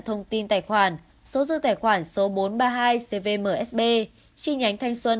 thông tin tài khoản số dư tài khoản số bốn trăm ba mươi hai cvmsb chi nhánh thanh xuân